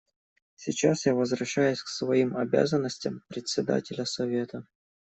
Сейчас я возвращаюсь к своим обязанностям Председателя Совета.